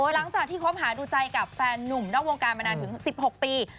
หลังจากที่คบหาดูใจกับแฟนหนุ่มนอกวงการมานานถึง๑๖ปี